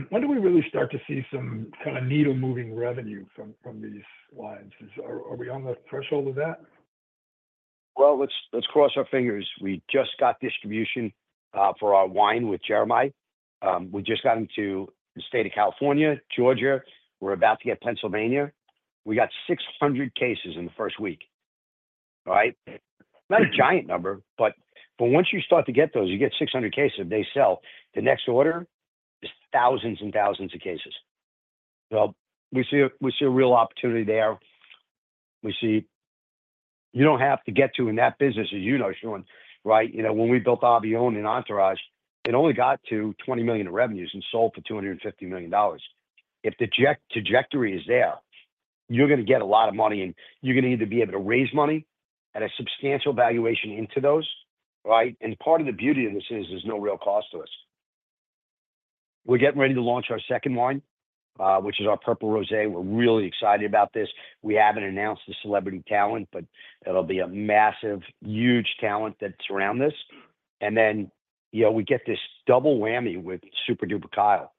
When do we really start to see some kind of needle-moving revenue from these lines? Are we on the threshold of that? Well, let's cross our fingers. We just got distribution for our wine with Jeremih. We just got them to the state of California, Georgia. We're about to get Pennsylvania. We got 600 cases in the first week, right? Not a giant number, but once you start to get those, you get 600 cases, they sell. The next order is thousands and thousands of cases. So we see a real opportunity there. You don't have to get to in that business, as you know, Sean, right? When we built PodcastOne and Entourage, it only got to $20 million in revenues and sold for $250 million. If the trajectory is there, you're going to get a lot of money, and you're going to either be able to raise money at a substantial valuation into those, right? And part of the beauty of this is there's no real cost to us. We're getting ready to launch our second wine, which is our Purple Rosé. We're really excited about this. We haven't announced the celebrity talent, but it'll be a massive, huge talent that's around this. And then we get this double whammy with SuperDuperKyle,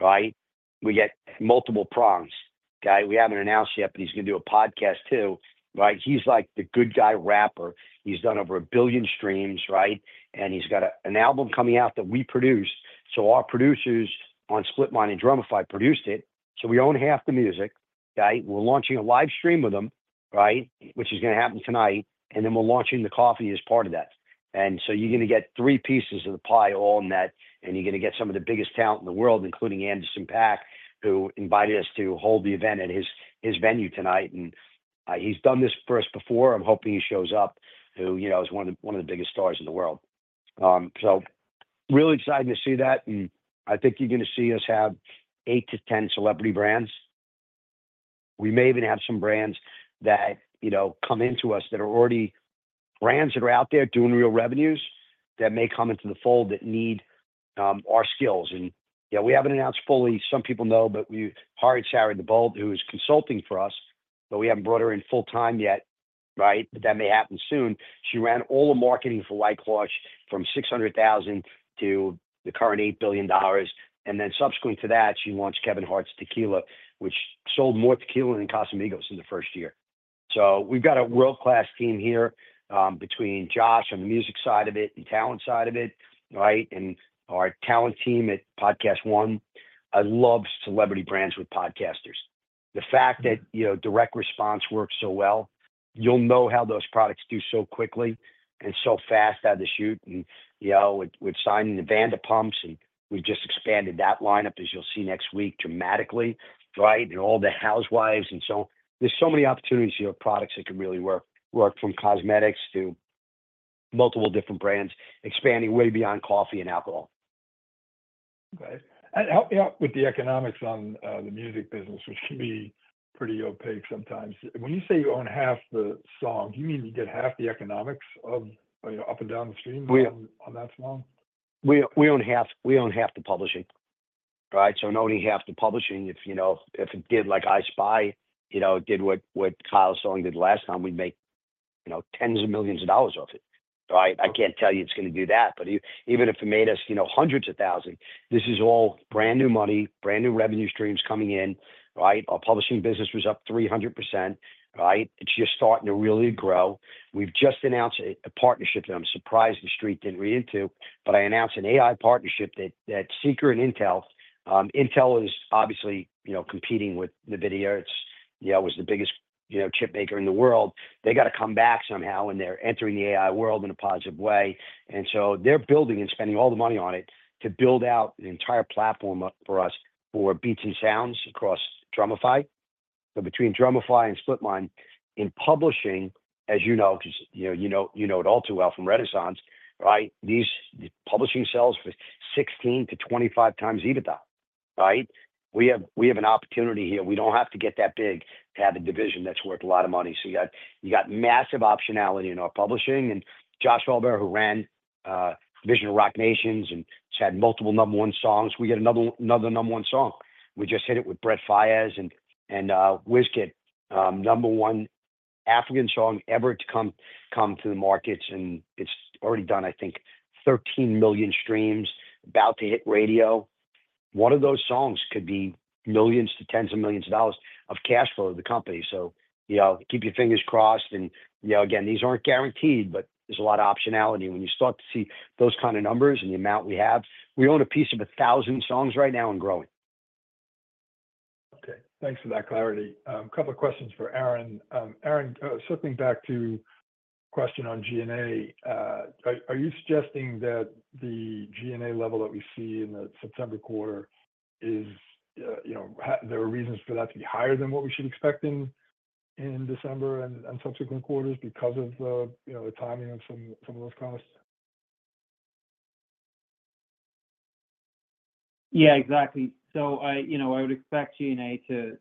right? We get multiple prongs. Okay? We haven't announced yet, but he's going to do a podcast too, right? He's like the good guy rapper. He's done over a billion streams, right? And he's got an album coming out that we produced. So our producers on SplitMind and Drumify produced it. So we own half the music, okay? We're launching a live stream with them, right, which is going to happen tonight. And then we're launching the coffee as part of that. And so you're going to get three pieces of the pie all in that. You're going to get some of the biggest talent in the world, including Anderson .Paak, who invited us to hold the event at his venue tonight. He's done this for us before. I'm hoping he shows up, who is one of the biggest stars in the world. Really excited to see that. I think you're going to see us have eight to 10 celebrity brands. We may even have some brands that come into us that are already brands that are out there doing real revenues that may come into the fold that need our skills. Yeah, we haven't announced fully. Some people know, but hiring Sarah Diebold, who is consulting for us, but we haven't brought her in full-time yet, right? That may happen soon. She ran all the marketing for White Claws from $600,000 to the current $8 billion. And then subsequent to that, she launched Kevin Hart's Tequila, which sold more tequila than Casamigos in the first year. So we've got a world-class team here between Josh on the music side of it and talent side of it, right? And our talent team at PodcastOne, I love celebrity brands with podcasters. The fact that direct response works so well, you'll know how those products do so quickly and so fast out of the chute. And we've signed Lisa Vanderpump, and we've just expanded that lineup, as you'll see next week, dramatically, right? And all the housewives. And so there's so many opportunities here of products that can really work, from cosmetics to multiple different brands, expanding way beyond coffee and alcohol. Okay. And help me out with the economics on the music business, which can be pretty opaque sometimes. When you say you own half the song, do you mean you get half the economics of up and down the stream on that song? We own half the publishing, right? So not only half the publishing, if it did like iSpy, it did what Kyle's song did last time, we'd make tens of millions of dollars off it, right? I can't tell you it's going to do that. But even if it made us hundreds of thousand, this is all brand new money, brand new revenue streams coming in, right? Our publishing business was up 300%, right? It's just starting to really grow. We've just announced a partnership that I'm surprised the street didn't read into, but I announced an AI partnership that Seekr and Intel. Intel is obviously competing with NVIDIA. It was the biggest chip maker in the world. They got to come back somehow, and they're entering the AI world in a positive way. And so they're building and spending all the money on it to build out an entire platform for us for beats and sounds across Drumify. So between Drumify and SplitMind in publishing, as you know, because you know it all too well from Renaissance, right? These publishing sells for 16x-25x EBITDA, right? We have an opportunity here. We don't have to get that big to have a division that's worth a lot of money. So you got massive optionality in our publishing. And Josh Hallbauer, who ran division of Roc Nation and had multiple number one songs, we got another number one song. We just hit it with Brent Faiyaz and WizKid, number one African song ever to come to the markets. And it's already done, I think, 13 million streams, about to hit radio. One of those songs could be millions to tens of millions of cash flow to the company. So keep your fingers crossed. And again, these aren't guaranteed, but there's a lot of optionality. When you start to see those kind of numbers and the amount we have, we own a piece of 1,000 songs right now and growing. Okay. Thanks for that clarity. A couple of questions for Aaron. Aaron, circling back to the question on G&A, are you suggesting that the G&A level that we see in the September quarter, are there reasons for that to be higher than what we should expect in December and subsequent quarters because of the timing of some of those costs? Yeah, exactly. So I would expect G&A to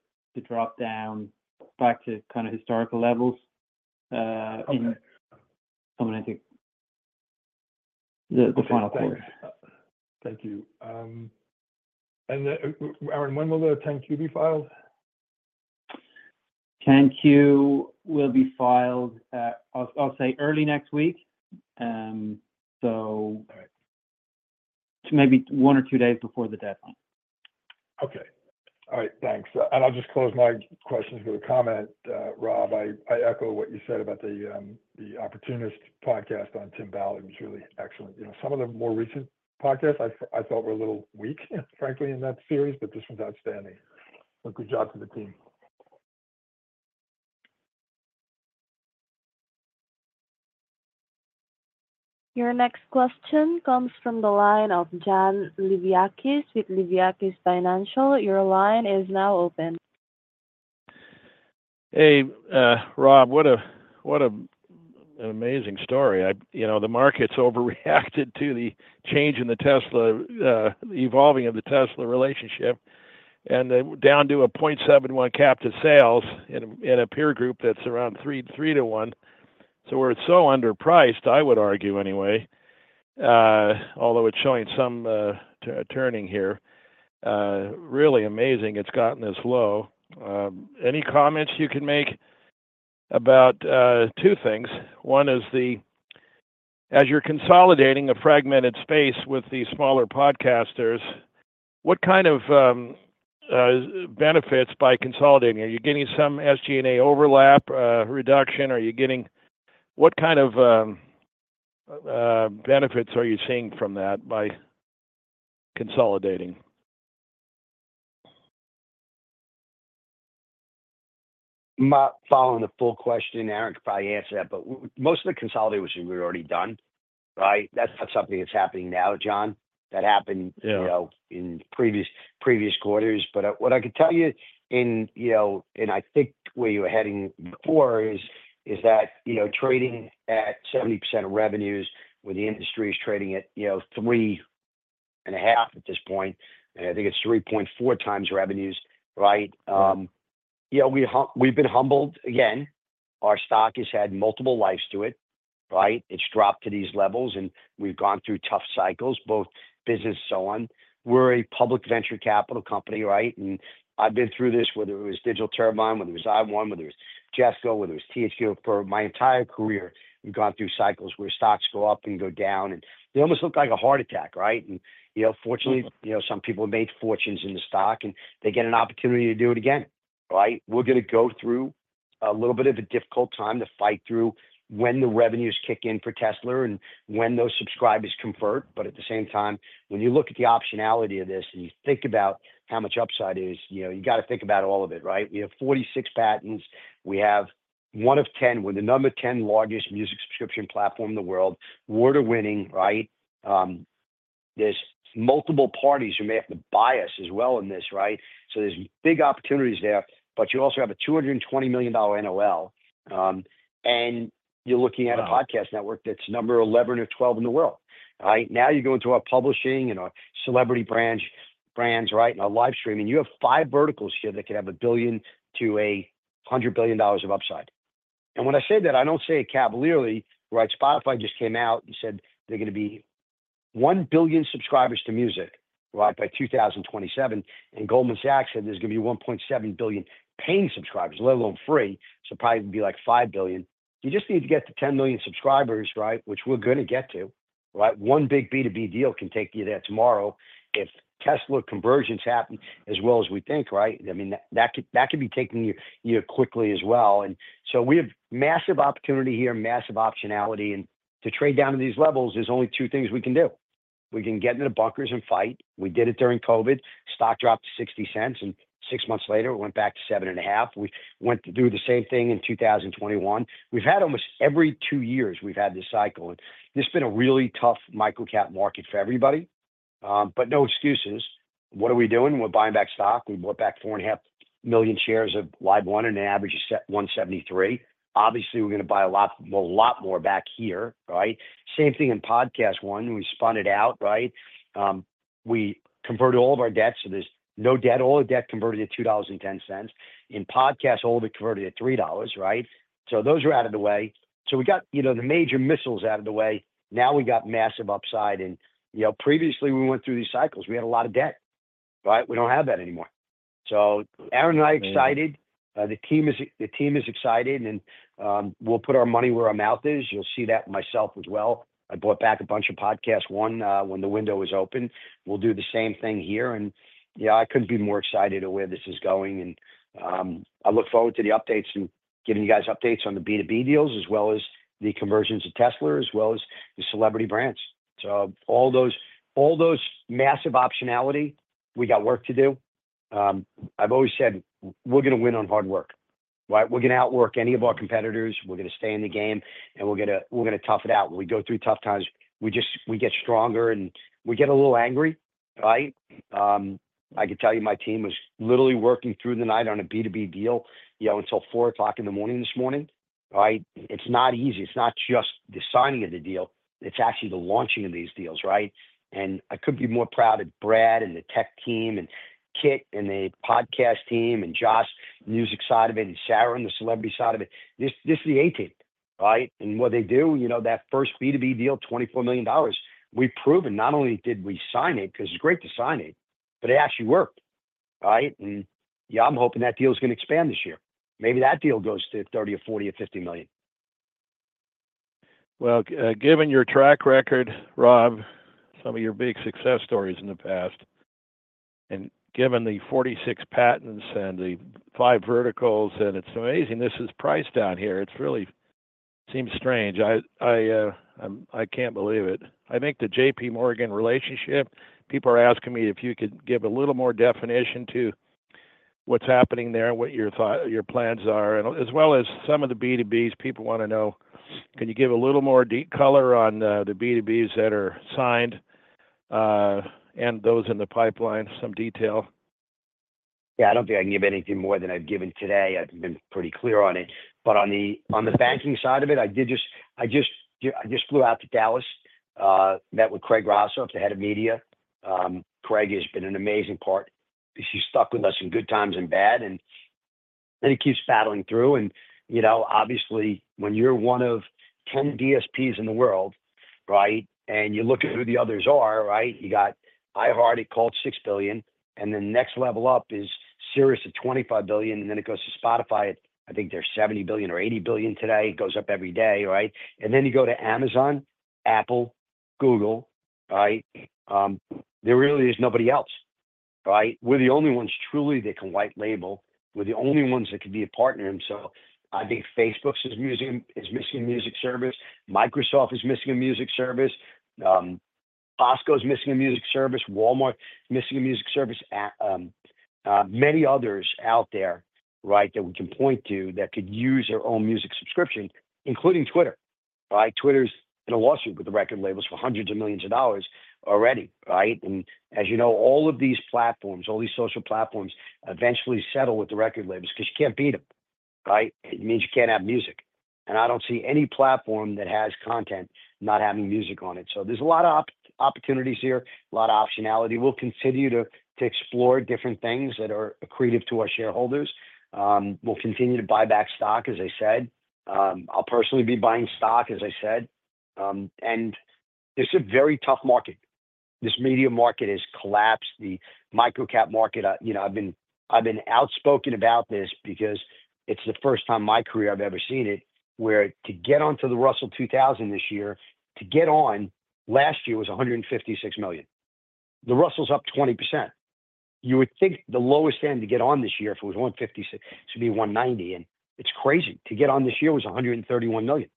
drop down back to kind of historical levels in coming into the final quarter. Thank you, and Aaron, when will the 10-Q be filed? 10-Q will be filed, I'll say, early next week. So maybe one or two days before the deadline. Okay. All right. Thanks, and I'll just close my questions with a comment, Rob. I echo what you said about the Opportunist podcast on Tim Ballard, which was really excellent. Some of the more recent podcasts, I felt were a little weak, frankly, in that series, but this one's outstanding. So good job to the team. Your next question comes from the line of John Liviakis with Liviakis Financial. Your line is now open. Hey, Rob, what an amazing story. The market's overreacted to the change in the Tesla, the evolving of the Tesla relationship, and down to a 0.71 cap to sales in a peer group that's around 3-to-1. So we're so underpriced, I would argue anyway, although it's showing some turning here. Really amazing it's gotten this low. Any comments you can make about two things? One is, as you're consolidating a fragmented space with the smaller podcasters, what kind of benefits by consolidating? Are you getting some SG&A overlap reduction? What kind of benefits are you seeing from that by consolidating? Not following the full question, Aaron, to probably answer that, but most of the consolidation we're already done, right? That's not something that's happening now, John, that happened in previous quarters. But what I could tell you, and I think where you were heading before is that trading at 70% of revenues when the industry is trading at 3.5 at this point, and I think it's 3.4x revenues, right? We've been humbled again. Our stock has had multiple lives to it, right? It's dropped to these levels, and we've gone through tough cycles, both business and so on. We're a public venture capital company, right? And I've been through this, whether it was Digital Turbine, whether it was LiveOne, whether it was Majesco, whether it was THQ. For my entire career, we've gone through cycles where stocks go up and go down, and they almost look like a heart attack, right? And fortunately, some people made fortunes in the stock, and they get an opportunity to do it again, right? We're going to go through a little bit of a difficult time to fight through when the revenues kick in for Tesla and when those subscribers convert. But at the same time, when you look at the optionality of this and you think about how much upside it is, you got to think about all of it, right? We have 46 patents. We have one of 10, we're the number 10 largest music subscription platform in the world, award-winning, right? There's multiple parties who may have to buy us as well in this, right? So there's big opportunities there, but you also have a $220 million NOL, and you're looking at a podcast network that's number 11 or 12 in the world, right? Now you're going to our publishing and our celebrity brands, right, and our live streaming. You have five verticals here that could have 1 billion-100 billion dollars of upside. And when I say that, I don't say it cavalierly, right? Spotify just came out and said they're going to be 1 billion subscribers to music, right, by 2027. And Goldman Sachs said there's going to be 1.7 billion paying subscribers, let alone free. So probably it would be like 5 billion. You just need to get to 10 million subscribers, right, which we're going to get to, right? One big B2B deal can take you there tomorrow if Tesla conversions happen as well as we think, right? I mean, that could be taking you quickly as well. And so we have massive opportunity here, massive optionality. And to trade down to these levels is only two things we can do. We can get into the bunkers and fight. We did it during COVID. Stock dropped to $0.60, and six months later, it went back to $7.5. We went through the same thing in 2021. We've had almost every two years, we've had this cycle. And this has been a really tough microcap market for everybody. But no excuses. What are we doing? We're buying back stock. We bought back 4.5 million shares of LiveOne at an average of $1.73. Obviously, we're going to buy a lot more back here, right? Same thing in PodcastOne. We spun it out, right? We converted all of our debt, so there's no debt. All our debt converted to $2.10. In PodcastOne, all of it converted to $3, right? Those are out of the way. We got the major milestones out of the way. Now we got massive upside. Previously, we went through these cycles. We had a lot of debt, right? We don't have that anymore. Aaron and I are excited. The team is excited, and we'll put our money where our mouth is. You'll see that myself as well. I bought back a bunch of PodcastOne when the window was open. We'll do the same thing here. I couldn't be more excited to where this is going. I look forward to the updates and giving you guys updates on the B2B deals as well as the conversions of Tesla as well as the celebrity brands. All those massive optionality, we got work to do. I've always said we're going to win on hard work, right? We're going to outwork any of our competitors. We're going to stay in the game, and we're going to tough it out. When we go through tough times, we get stronger, and we get a little angry, right? I could tell you my team was literally working through the night on a B2B deal until 4 o'clock in the morning this morning, right? It's not easy. It's not just the signing of the deal. It's actually the launching of these deals, right? And I couldn't be more proud of Brad and the tech team and Kit and the podcast team and Josh, the music side of it, and Sarah and the celebrity side of it. This is the A team, right? And what they do, that first B2B deal, $24 million. We've proven not only did we sign it because it's great to sign it, but it actually worked, right? And yeah, I'm hoping that deal is going to expand this year. Maybe that deal goes to $30 million or $40 million or $50 million. Given your track record, Rob, some of your big success stories in the past, and given the 46 patents and the five verticals, and it's amazing this is priced down here. It really seems strange. I can't believe it. I think the J.P. Morgan relationship, people are asking me if you could give a little more definition to what's happening there and what your plans are, as well as some of the B2Bs. People want to know, can you give a little more deep color on the B2Bs that are signed and those in the pipeline, some detail? Yeah, I don't think I can give anything more than I've given today. I've been pretty clear on it. But on the banking side of it, I just flew out to Dallas, met with Craig Rauseo, the head of media. Craig has been an amazing partner. He's stuck with us in good times and bad, and it keeps battling through. And obviously, when you're one of 10 DSPs in the world, right, and you look at who the others are, right? You got iHeart; it's valued at $6 billion. And then next level up is Sirius at $25 billion. And then it goes to Spotify at, I think they're $70 billion or $80 billion today. It goes up every day, right? And then you go to Amazon, Apple, Google, right? There really is nobody else, right? We're the only ones truly that can white-label. We're the only ones that can be a partner, and so I think Facebook is missing a music service. Microsoft is missing a music service. Costco is missing a music service. Walmart is missing a music service. Many others out there, right, that we can point to that could use their own music subscription, including Twitter, right? Twitter's in a lawsuit with the record labels for hundreds of millions of dollars already, right? And as you know, all of these platforms, all these social platforms eventually settle with the record labels because you can't beat them, right? It means you can't have music. And I don't see any platform that has content not having music on it. So there's a lot of opportunities here, a lot of optionality. We'll continue to explore different things that are creative to our shareholders. We'll continue to buy back stock, as I said. I'll personally be buying stock, as I said, and it's a very tough market. This media market has collapsed. The microcap market, I've been outspoken about this because it's the first time in my career I've ever seen it where to get onto the Russell 2000 this year, to get on last year was 156 million. The Russell's up 20%. You would think the lowest end to get on this year if it was 156, it should be 190, and it's crazy. To get on this year was 131 million,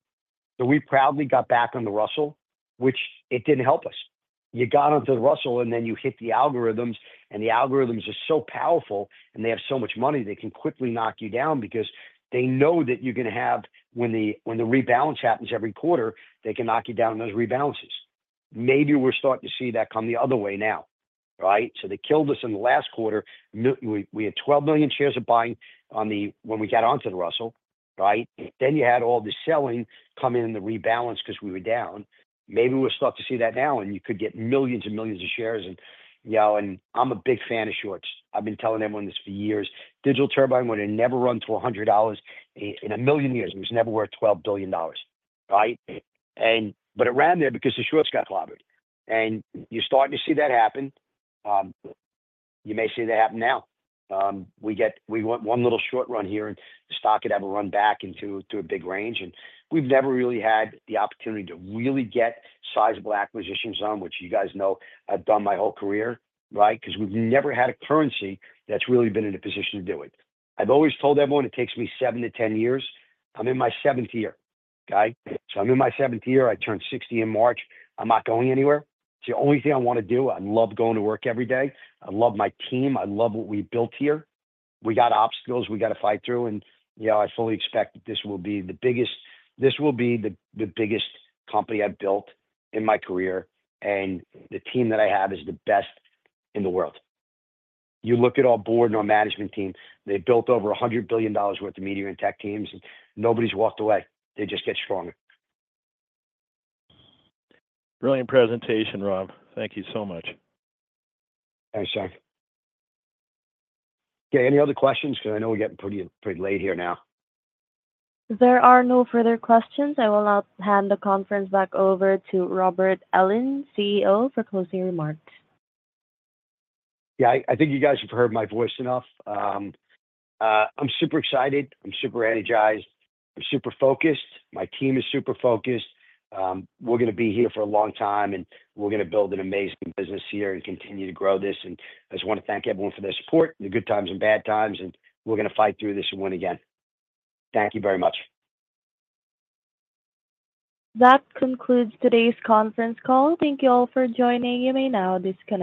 so we proudly got back on the Russell, which it didn't help us. You got onto the Russell, and then you hit the algorithms. And the algorithms are so powerful, and they have so much money. They can quickly knock you down because they know that you're going to have, when the rebalance happens every quarter, they can knock you down those rebalances. Maybe we're starting to see that come the other way now, right? So they killed us in the last quarter. We had 12 million shares of buying when we got onto the Russell, right? Then you had all the selling come in the rebalance because we were down. Maybe we're starting to see that now, and you could get millions and millions of shares. And I'm a big fan of shorts. I've been telling everyone this for years. Digital Turbine would have never run to $100 in a million years. It was never worth $12 billion, right? But it ran there because the shorts got clobbered. And you're starting to see that happen. You may see that happen now. We went one little short run here, and the stock could have a run back into a big range. And we've never really had the opportunity to really get sizable acquisitions on, which you guys know I've done my whole career, right? Because we've never had a currency that's really been in a position to do it. I've always told everyone it takes me seven to 10 years. I'm in my seventh year, okay? So I'm in my seventh year. I turned 60 in March. I'm not going anywhere. It's the only thing I want to do. I love going to work every day. I love my team. I love what we built here. We got obstacles we got to fight through. And I fully expect that this will be the biggest - this will be the biggest company I've built in my career. And the team that I have is the best in the world. You look at our board and our management team, they built over $100 billion worth of media and tech teams, and nobody's walked away. They just get stronger. Brilliant presentation, Rob. Thank you so much. Thanks, sir. Okay, any other questions? Because I know we're getting pretty late here now. If there are no further questions, I will now hand the conference back over to Rob Ellin, CEO, for closing remarks. Yeah, I think you guys have heard my voice enough. I'm super excited. I'm super energized. I'm super focused. My team is super focused. We're going to be here for a long time, and we're going to build an amazing business here and continue to grow this. And I just want to thank everyone for their support, the good times and bad times. And we're going to fight through this and win again. Thank you very much. That concludes today's conference call. Thank you all for joining. You may now disconnect.